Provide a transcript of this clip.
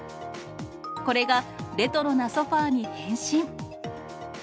これがレトロなソファーに変身。